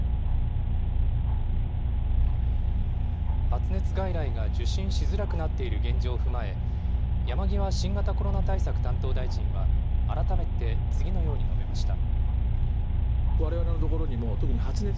発熱外来が受診しづらくなっている現状を踏まえ、山際新型コロナ対策担当大臣は、改めて次のように述べました。